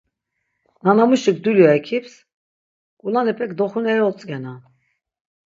Nanamuşik dulya ikips k̆ulanepek doxuneri otzk̆enan.